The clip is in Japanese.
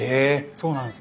そうなんです。